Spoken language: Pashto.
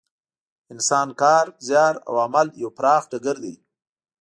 انسان کار، زیار او عمل یو پراخ ډګر دی.